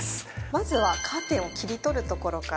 まずはカーテンを切り取るところからやります。